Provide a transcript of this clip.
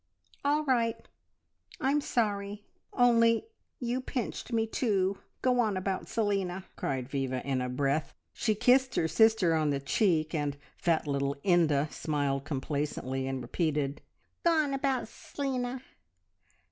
"All right, I'm sorry, only you pinched me too go on about Selina!" cried Viva in a breath. She kissed her sister on the cheek, and fat little Inda smiled complacently, and repeated, "Go on 'bout S'lina!"